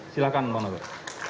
silakan pak novel